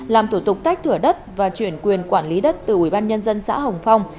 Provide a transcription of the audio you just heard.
làm tổ tục tách thửa đất và chuyển quyền quản lý đất từ ubnd xã hồng phong